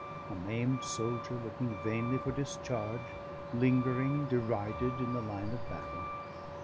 a maimed soldier, looking vainly for discharge, lingering derided in the line of battle?